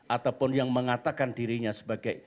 ataupun yang mengatakan dirinya sebagai